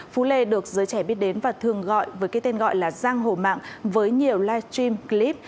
phú lê được giới trẻ biết đến và thường gọi với cái tên gọi là giang hổ mạng với nhiều live stream clip